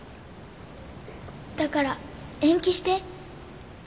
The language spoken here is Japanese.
だから延期して。